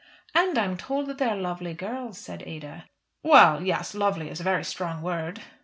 "And I am told that they are lovely girls," said Ada. "Well, yes; lovely is a very strong word."